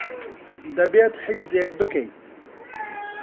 دەبێت حجزێک بکەیت.